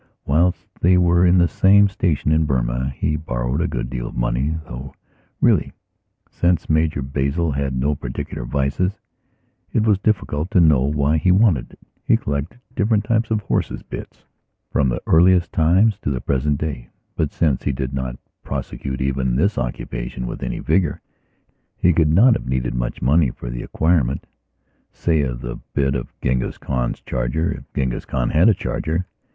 Whilst they were in the same station in Burma he borrowed a good deal of moneythough, really, since Major Basil had no particular vices, it was difficult to know why he wanted it. He collecteddifferent types of horses' bits from the earliest times to the present daybut, since he did not prosecute even this occupation with any vigour, he cannot have needed much money for the acquirement, say, of the bit of Genghis Khan's chargerif Genghis Khan had a charger.